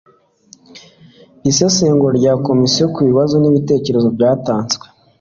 isesengura rya komisiyo ku bibazo n ibitekerezo byatanzwe